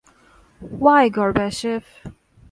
Why Gorbachev?